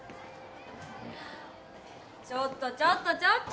ちょっとちょっとちょっと！